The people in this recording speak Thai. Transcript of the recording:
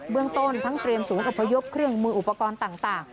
เรื่องต้นทั้งเตรียมศูนย์อพยพเครื่องมืออุปกรณ์ต่าง